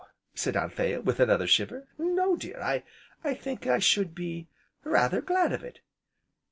said Anthea, with another shiver, "No, dear, I think I should be rather glad of it!"